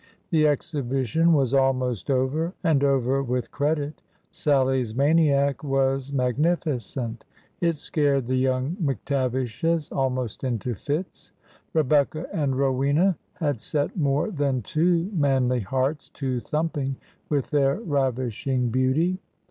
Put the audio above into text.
The exhibition was almost over, — and over with credit. Sadie's '' Maniac " was magnificent. It scared the young McTavishes almost into fits. Rebecca and Rowena had set more than two manly hearts to thumping with their ravishing beauty.